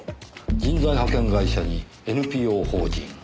人材派遣会社にＮＰＯ法人。